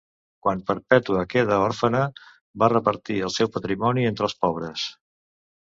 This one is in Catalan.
Quan Perpètua quedà òrfena va repartir el seu patrimoni entre els pobres.